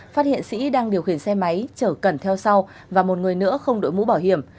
phát hiện sĩ đang điều khiển xe máy chở cẩn theo sau và một người nữa không đội mũ bảo hiểm